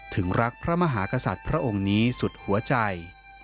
ถึงรักพระมหากษัตริย์พระองค์นี้สุดหัวใจ